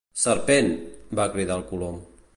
"Serpent!" va cridar el Colom.